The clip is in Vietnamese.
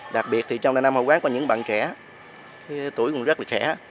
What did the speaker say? đặc biệt thì trong đại nam hội quán có những bạn trẻ tuổi cũng rất là trẻ